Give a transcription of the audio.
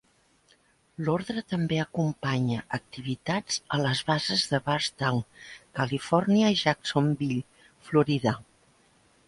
L'ordre també acompanya activitats a les bases de Barstow, Califòrnia, i Jacksonville, Florida.